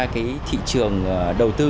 cái thị trường đầu tư